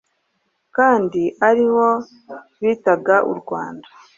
kandi ariho bitaga u Rwanda.